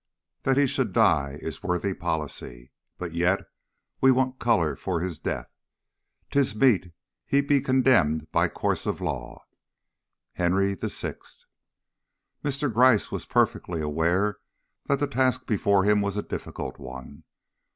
That he should die is worthy policy; But yet we want a color for his death; 'Tis meet he be condemned by course of law. HENRY VI. MR. GRYCE was perfectly aware that the task before him was a difficult one.